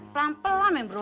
pelan pelan ya bro